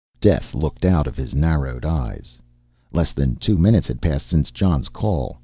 Death looked out of his narrowed eyes. Less than two minutes had passed since Jon's call.